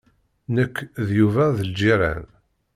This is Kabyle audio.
Nekk d Yuba d lǧiran.